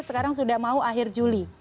sekarang sudah mau akhir juli